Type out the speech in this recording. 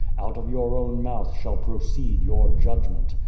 Out of your own mouth shall proceed your judgment.